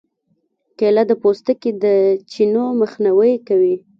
کېله د پوستکي د چینو مخنیوی کوي.